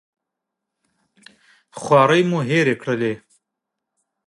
خوارۍ مو هېرې کړلې.